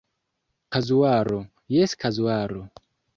Kazuaro, Jes kazuaro.